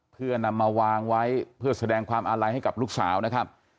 เพื่อนำมาวางไว้เพื่อแสดงความอาลัยให้กับลูกสาวนะครับ